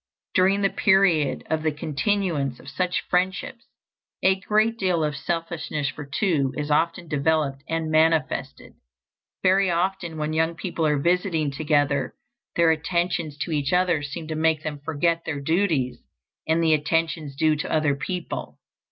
During the period of the continuance of such friendships, a great deal of "selfishness for two" is often developed and manifested. Very often when young people are visiting together their attentions to each other seem to make them forget their duties and the attentions due to other people.